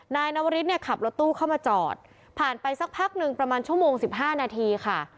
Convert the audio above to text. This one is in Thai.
นายนวริสเนี่ยขับรถตู้เข้ามาจอดผ่านไปสักพักหนึ่งประมาณชั่วโมง๑๕นาทีค่ะ